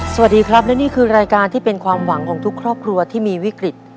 สวัสดีครับและนี่คือรายการที่เป็นความหวังของทุกครอบครัวที่มีวิกฤต